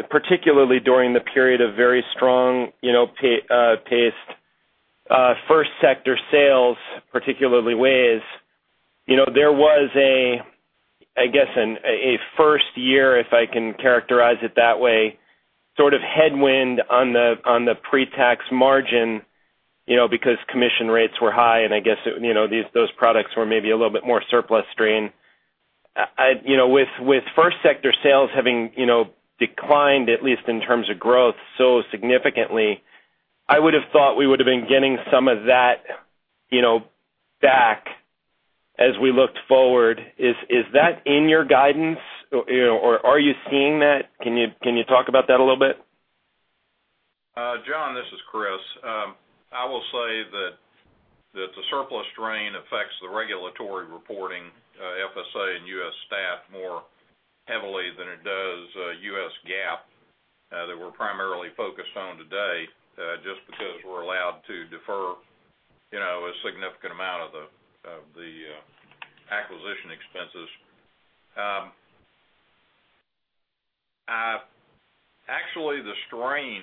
particularly during the period of very strong paced first sector sales, particularly WAYS, there was, I guess, a 1st year, if I can characterize it that way, sort of headwind on the pre-tax margin because commission rates were high, and I guess those products were maybe a little bit more surplus strain. With first sector sales having declined, at least in terms of growth so significantly. I would have thought we would have been getting some of that back. We looked forward, is that in your guidance? Are you seeing that? Can you talk about that a little bit? John, this is Kriss. I will say that the surplus drain affects the regulatory reporting, FSA and U.S. stat more heavily than it does U.S. GAAP, that we're primarily focused on today, just because we're allowed to defer a significant amount of the acquisition expenses. Actually, the strain,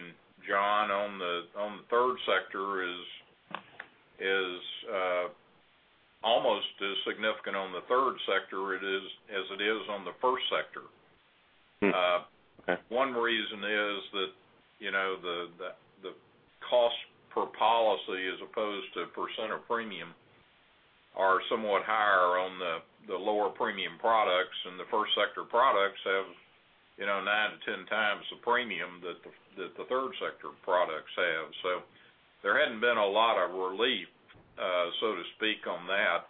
John, on the 3rd sector is almost as significant on the 3rd sector as it is on the 1st sector. Hmm. Okay. One reason is that the cost per policy as opposed to percent of premium are somewhat higher on the lower premium products and the first sector products have 9 to 10 times the premium that the third sector products have. There hadn't been a lot of relief, so to speak, on that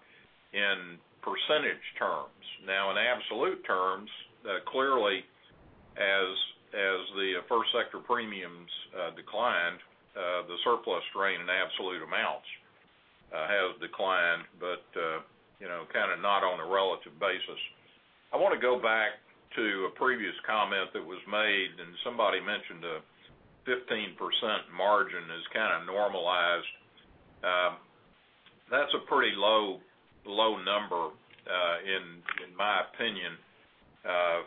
in percentage terms. In absolute terms, clearly as the first sector premiums declined, the surplus drain in absolute amounts have declined, but kind of not on a relative basis. I want to go back to a previous comment that was made, and somebody mentioned a 15% margin as kind of normalized. That's a pretty low number, in my opinion,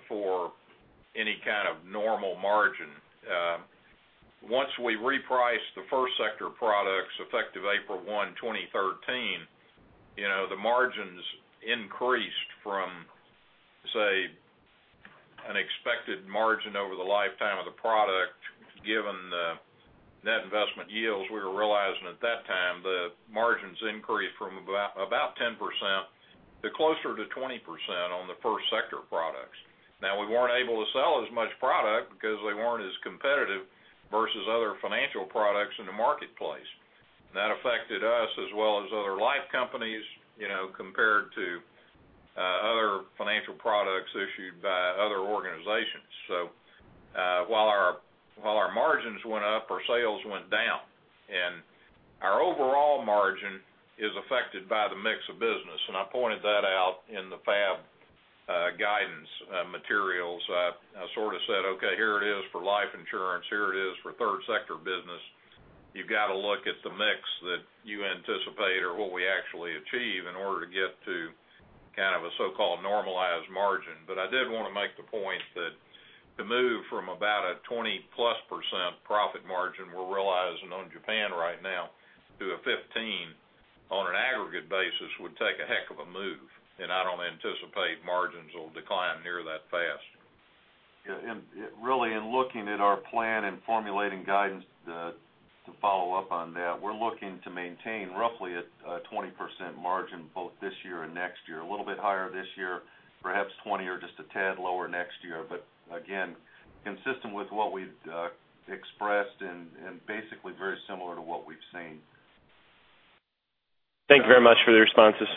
for any kind of normal margin. Once we reprice the first sector products effective April 1st, 2013, the margins increased from, say, an expected margin over the lifetime of the product, given the net investment yields we were realizing at that time, the margins increased from about 10% to closer to 20% on the first sector products. We weren't able to sell as much product because they weren't as competitive versus other financial products in the marketplace. That affected us as well as other life companies compared to other financial products issued by other organizations. While our margins went up, our sales went down, and our overall margin is affected by the mix of business, and I pointed that out in the FAB guidance materials. I sort of said, "Okay, here it is for life insurance. Here it is for third sector business." You've got to look at the mix that you anticipate or what we actually achieve in order to get to kind of a so-called normalized margin. I did want to make the point that the move from about a 20-plus percent profit margin we're realizing on Japan right now to a 15% on an aggregate basis would take a heck of a move, and I don't anticipate margins will decline near that fast. Really in looking at our plan and formulating guidance to follow up on that, we're looking to maintain roughly a 20% margin both this year and next year. A little bit higher this year, perhaps 20% or just a tad lower next year. Again, consistent with what we've expressed and basically very similar to what we've seen. Thank you very much for the responses.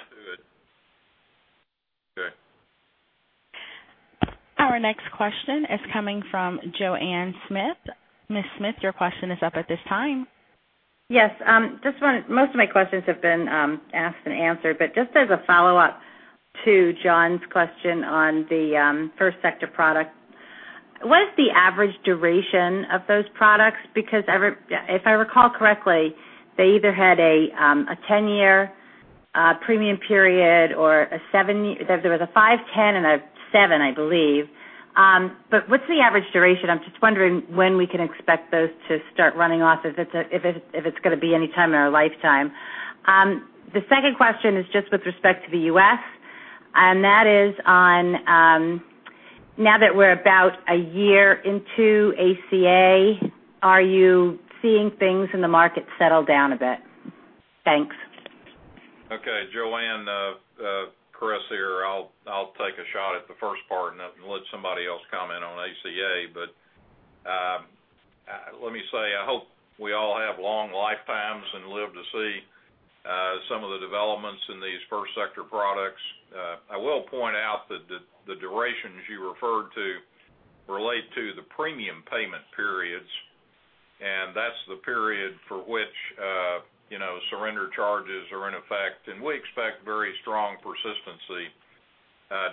Good. Sure. Our next question is coming from Joanne Smith. Ms. Smith, your question is up at this time. Yes. Most of my questions have been asked and answered, but just as a follow-up to John's question on the first sector product, what is the average duration of those products? Because if I recall correctly, they either had a 10-year premium period or a seven-year. There was a five, 10, and a seven, I believe. What's the average duration? I'm just wondering when we can expect those to start running off, if it's going to be any time in our lifetime. The second question is just with respect to the U.S., and that is on now that we're about a year into ACA, are you seeing things in the market settle down a bit? Thanks. Okay, Joanne, Kriss here. I'll take a shot at the first part and let somebody else comment on ACA. Let me say, I hope we all have long lifetimes and live to see some of the developments in these first sector products. I will point out that the durations you referred to relate to the premium payment periods, and that's the period for which surrender charges are in effect. We expect very strong persistency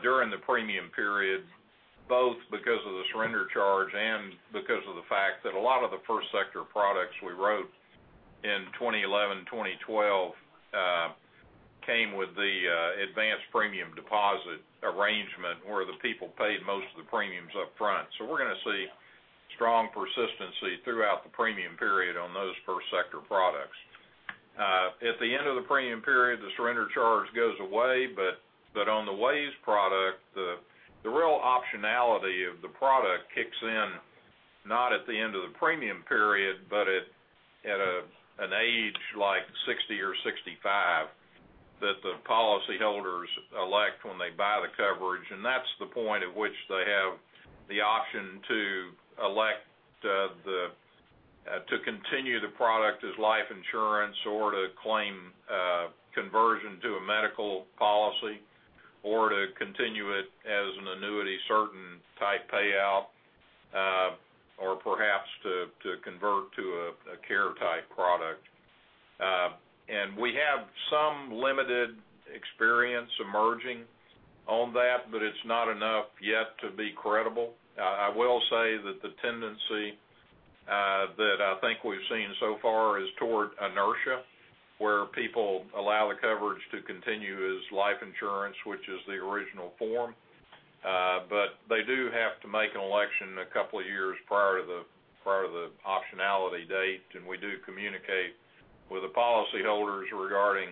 during the premium period, both because of the surrender charge and because of the fact that a lot of the first sector products we wrote in 2011, 2012 came with the advanced premium deposit arrangement where the people paid most of the premiums up front. We're going to see strong persistency throughout the premium period on those first sector products. At the end of the premium period, the surrender charge goes away. On the WAYS product, the real optionality of the product kicks in not at the end of the premium period, but at an age like 60 or 65 that the policyholders elect when they buy the coverage. That's the point at which they have the option to elect to continue the product as life insurance or to claim conversion to a medical policy or to continue it as an annuity, certain type payout, or perhaps to convert to a care type product. We have some limited experience emerging on that. It's not enough yet to be credible. I will say that the tendency that I think we've seen so far is toward inertia, where people allow the coverage to continue as life insurance, which is the original form. They do have to make an election a couple of years prior to the optionality date, and we do communicate with the policyholders regarding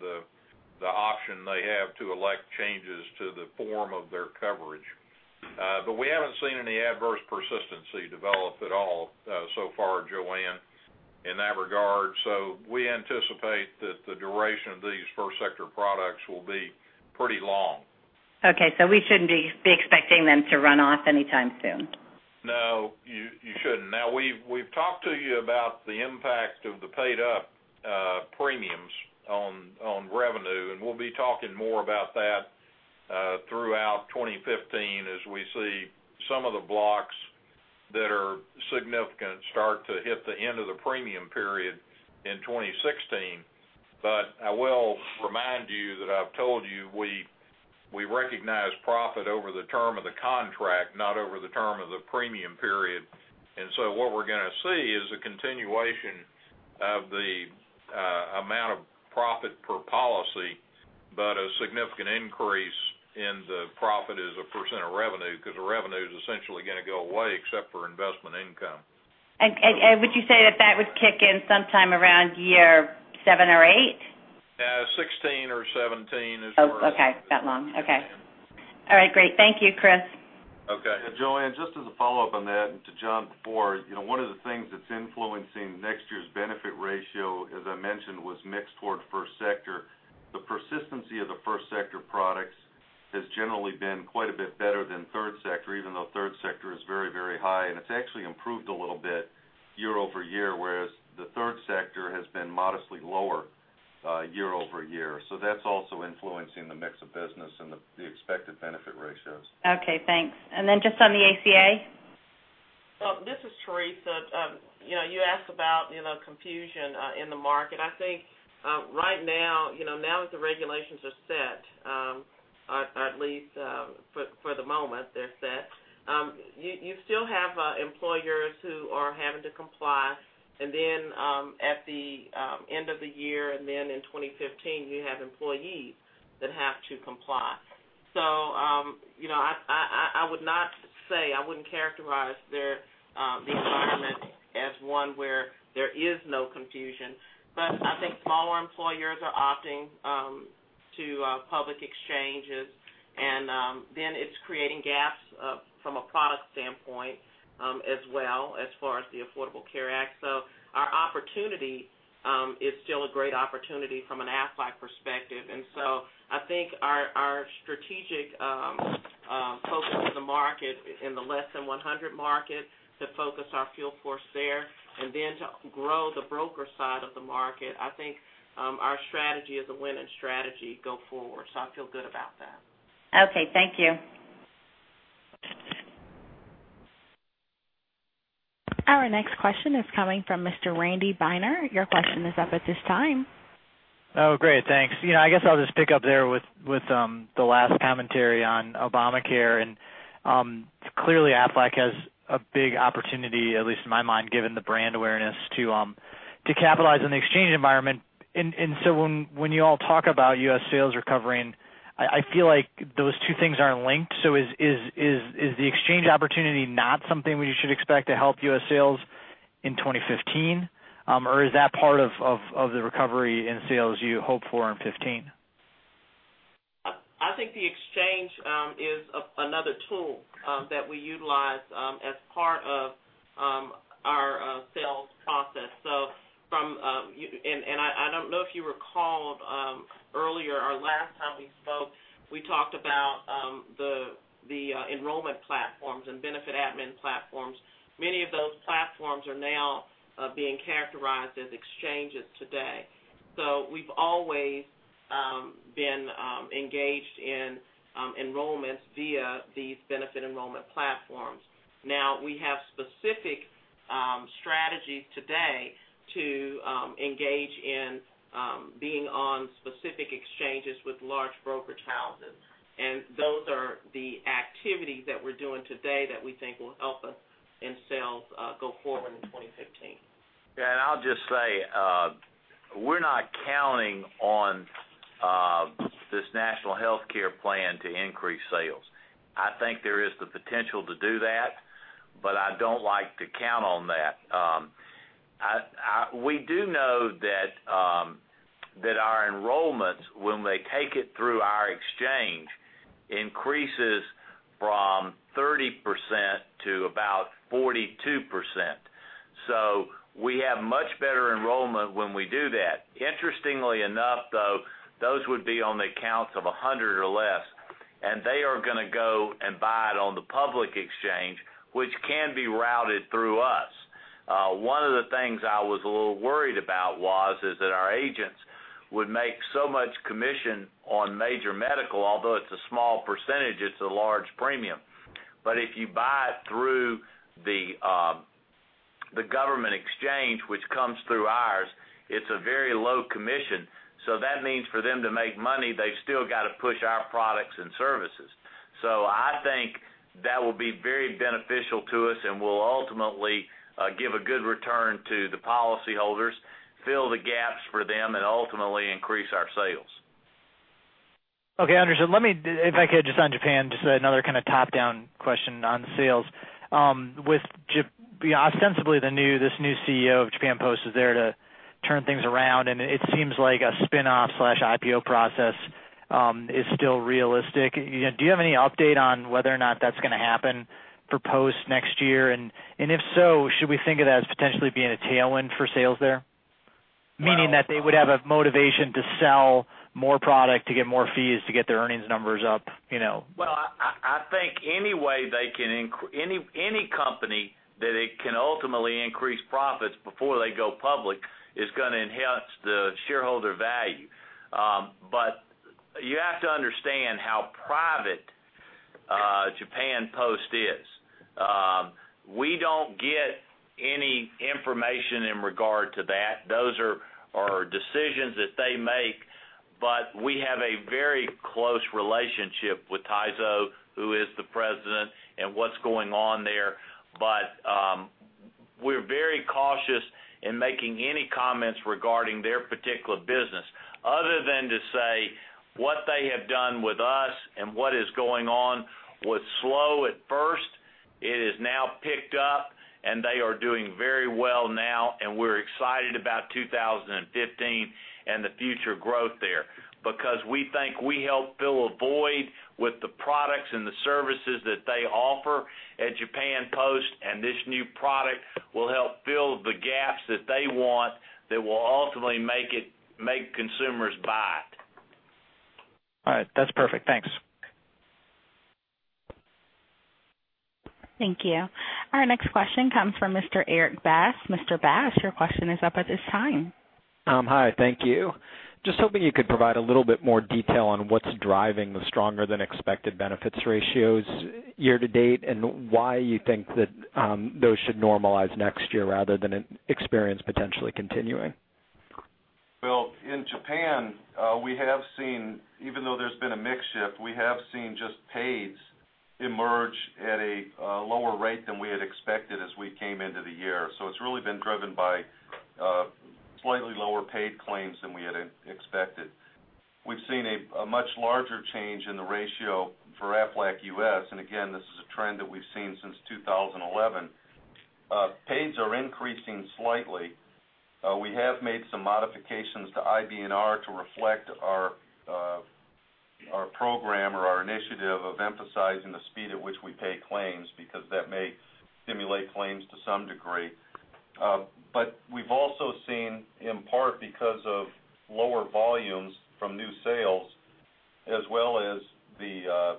the option they have to elect changes to the form of their coverage. We haven't seen any adverse persistency develop at all so far, Joanne, in that regard. We anticipate that the duration of these first sector products will be pretty long. Okay. We shouldn't be expecting them to run off anytime soon? No, you shouldn't. Now, we've talked to you about the impact of the paid-up premiums on revenue, and we'll be talking more about that throughout 2015 as we see some of the blocks that are significant start to hit the end of the premium period in 2016. I will remind you that I've told you, we recognize profit over the term of the contract, not over the term of the premium period. What we're going to see is a continuation of the amount of profit per policy, but a significant increase in the profit as a % of revenue, because the revenue is essentially going to go away except for investment income. Would you say that would kick in sometime around year seven or eight? Yeah. 2016 or 2017 as far as. Oh, okay. That long. Okay. Yeah. All right. Great. Thank you, Kriss. Okay. Joanne, just as a follow-up on that and to John before, one of the things that's influencing next year's benefit ratio, as I mentioned, was mixed toward first sector. The persistency of the first sector products has generally been quite a bit better than third sector, even though third sector is very high, and it's actually improved a little bit year-over-year, whereas the third sector has been modestly lower year-over-year. That's also influencing the mix of business and the expected benefit ratios. Okay, thanks. Then just on the ACA? Well, this is Teresa. You asked about confusion in the market. I think right now that the regulations are set, at least for the moment they're set, you still have employers who are having to comply, and then at the end of the year and then in 2015, you have employees that have to comply. I would not say, I wouldn't characterize the environment as one where there is no confusion. I think smaller employers are opting to public exchanges, and then it's creating gaps from a product standpoint as well, as far as the Affordable Care Act. Our opportunity is still a great opportunity from an Aflac perspective. I think our strategic focus of the market in the less than 100 market to focus our field force there and then to grow the broker side of the market, I think our strategy is a winning strategy go forward. I feel good about that. Okay. Thank you. Our next question is coming from Mr. Randy Binner. Your question is up at this time. Great. Thanks. I guess I'll just pick up there with the last commentary on Obamacare. Clearly, Aflac has a big opportunity, at least in my mind, given the brand awareness to capitalize on the exchange environment. When you all talk about U.S. sales recovering, I feel like those two things aren't linked. Is the exchange opportunity not something we should expect to help U.S. sales in 2015? Or is that part of the recovery in sales you hope for in 2015? I think the exchange is another tool that we utilize as part of our sales process. I don't know if you recall earlier or last time we spoke, we talked about the enrollment platforms and benefit admin platforms. Many of those platforms are now being characterized as exchanges today. We've always been engaged in enrollments via these benefit enrollment platforms. Now, we have specific strategies today to engage in being on specific exchanges with large brokerage houses. Those are the activities that we're doing today that we think will help us in sales go forward in 2015. I'll just say, we're not counting on this national healthcare plan to increase sales. I think there is the potential to do that, but I don't like to count on that. We do know that our enrollments, when they take it through our exchange, increases from 30% to about 42%. We have much better enrollment when we do that. Interestingly enough, though, those would be on the accounts of 100 or less. They are going to go and buy it on the public exchange, which can be routed through us. One of the things I was a little worried about was, is that our agents would make so much commission on major medical, although it's a small percentage, it's a large premium. If you buy it through the government exchange, which comes through ours, it's a very low commission. That means for them to make money, they've still got to push our products and services. I think that will be very beneficial to us, and will ultimately give a good return to the policyholders, fill the gaps for them, and ultimately increase our sales. Okay, understood. Let me, if I could, just on Japan, just another kind of top-down question on sales. Ostensibly, this new CEO of Japan Post is there to turn things around, and it seems like a spin-off/IPO process is still realistic. Do you have any update on whether or not that's going to happen for Post next year? If so, should we think of that as potentially being a tailwind for sales there? Meaning that they would have a motivation to sell more product to get more fees to get their earnings numbers up. Well, I think any company that it can ultimately increase profits before they go public is going to enhance the shareholder value. You have to understand how private Japan Post is. We don't get any information in regard to that. Those are decisions that they make. We have a very close relationship with Taizo, who is the president, and what's going on there. We're very cautious in making any comments regarding their particular business other than to say what they have done with us and what is going on was slow at first. It has now picked up and they are doing very well now, and we're excited about 2015 and the future growth there. We think we help fill a void with the products and the services that they offer at Japan Post, and this new product will help fill the gaps that they want that will ultimately make consumers buy it. All right. That's perfect. Thanks. Thank you. Our next question comes from Mr. Erik Bass. Mr. Bass, your question is up at this time. Hi, thank you. Just hoping you could provide a little bit more detail on what's driving the stronger than expected benefits ratios year-to-date, and why you think that those should normalize next year rather than experience potentially continuing. In Japan, even though there's been a mix shift, we have seen just pays emerge at a lower rate than we had expected as we came into the year. It's really been driven by slightly lower paid claims than we had expected. We've seen a much larger change in the ratio for Aflac U.S., and again, this is a trend that we've seen since 2011. Pays are increasing slightly. We have made some modifications to IBNR to reflect our program or our initiative of emphasizing the speed at which we pay claims, because that may stimulate claims to some degree. We've also seen, in part because of lower volumes from new sales, as well as the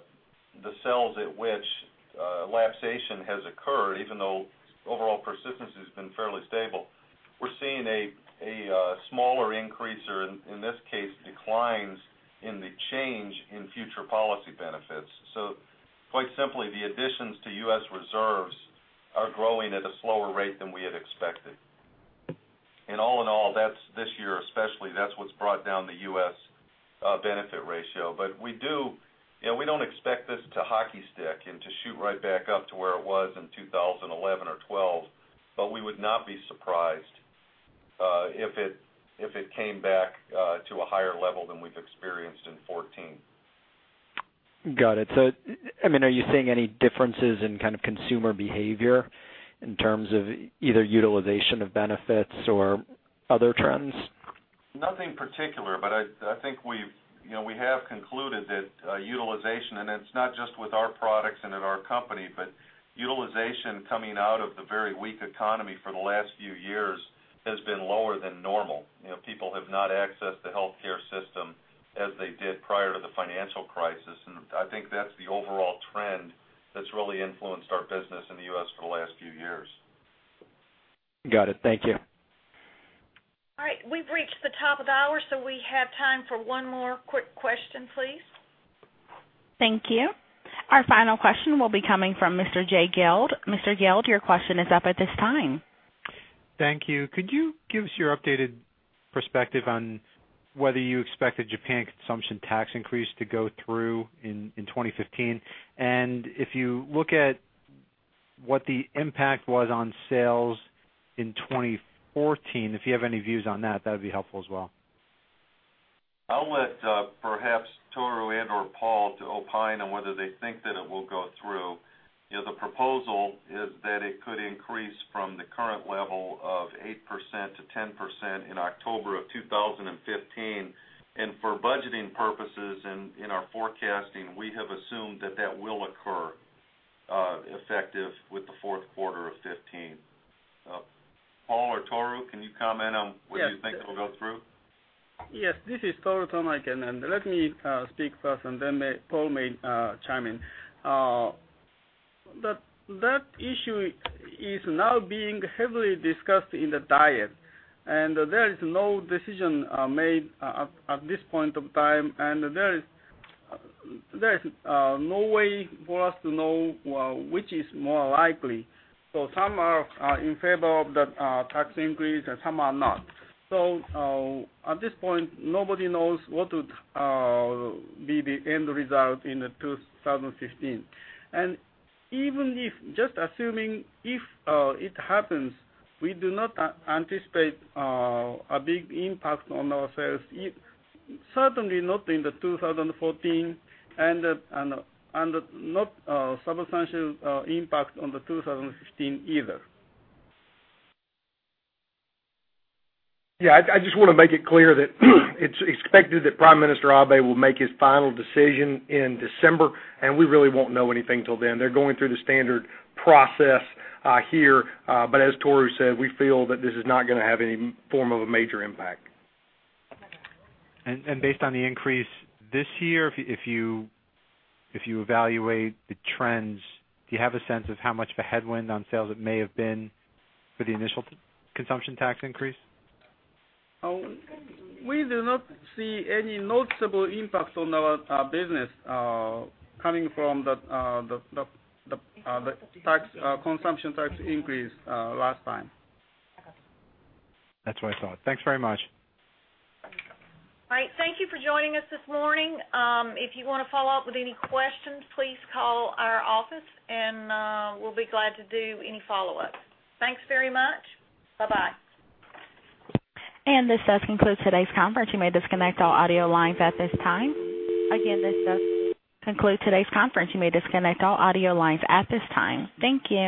pace at which lapsation has occurred, even though overall persistence has been fairly stable. We're seeing a smaller increase or, in this case, declines in the change in future policy benefits. Quite simply, the additions to U.S. reserves are growing at a slower rate than we had expected. All in all, this year especially, that's what's brought down the U.S. benefit ratio. We don't expect this to hockey stick and to shoot right back up to where it was in 2011 or 2012, but we would not be surprised if it came back to a higher level than we've experienced in 2014. Got it. Are you seeing any differences in kind of consumer behavior in terms of either utilization of benefits or other trends? Nothing particular, but I think we have concluded that utilization, and it's not just with our products and at our company, but utilization coming out of the very weak economy for the last few years has been lower than normal. People have not accessed the healthcare system as they did prior to the financial crisis. I think that's the overall trend that's really influenced our business in the U.S. for the last few years. Got it. Thank you. All right. We've reached the top of the hour, so we have time for one more quick question, please. Thank you. Our final question will be coming from Mr. Jay Guild. Mr. Guild, your question is up at this time. Thank you. Could you give us your updated perspective on whether you expect the Japan consumption tax increase to go through in 2015? If you look at what the impact was on sales in 2014, if you have any views on that'd be helpful as well. I'll let perhaps Toru and/or Paul to opine on whether they think that it will go through. The proposal is that it could increase from the current level of 8% to 10% in October of 2015. For budgeting purposes and in our forecasting, we have assumed that that will occur Effective with the fourth quarter of 2015. Paul or Toru, can you comment on what you think will go through? Yes, this is Toru Taniike, and let me speak first, and then Paul may chime in. That issue is now being heavily discussed in the Diet, and there is no decision made at this point of time, and there is no way for us to know which is more likely. Some are in favor of the tax increase and some are not. At this point, nobody knows what would be the end result in 2015. Even if, just assuming if it happens, we do not anticipate a big impact on our sales, certainly not in the 2014 and not substantial impact on the 2015 either. Yeah, I just want to make it clear that it's expected that Prime Minister Abe will make his final decision in December, and we really won't know anything till then. They're going through the standard process here. As Toru said, we feel that this is not going to have any form of a major impact. Based on the increase this year, if you evaluate the trends, do you have a sense of how much of a headwind on sales it may have been for the initial consumption tax increase? We do not see any noticeable impact on our business coming from the consumption tax increase last time. That's what I thought. Thanks very much. All right. Thank you for joining us this morning. If you want to follow up with any questions, please call our office and we'll be glad to do any follow-ups. Thanks very much. Bye-bye. This does conclude today's conference. You may disconnect all audio lines at this time. Again, this does conclude today's conference. You may disconnect all audio lines at this time. Thank you.